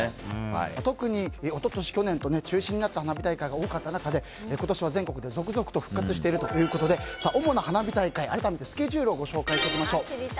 特に一昨年、去年と中止になった花火大会が多かった中で今年は続々と復活しているという中で主な花火大会、改めてスケジュールをご紹介します。